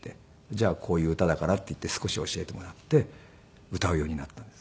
「じゃあこういう歌だから」って言って少し教えてもらって歌うようになったんです。